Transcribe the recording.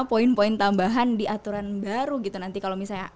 poin poin tambahan di aturan baru gitu nanti kalau misalnya